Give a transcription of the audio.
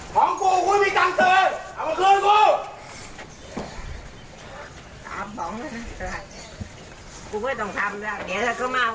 ของกว่าคลิปตามเฉินเอามาเธอว่ะ